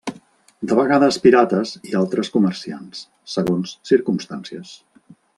De vegades pirates i altres comerciants, segons circumstàncies.